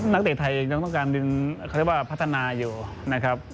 นักเตะไทยยังต้องการพัฒนาอยู่นะครับ